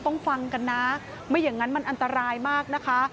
ฟังกันนะไม่อย่างนั้นมันอันตรายมากนะคะ